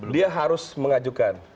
dia harus mengajukan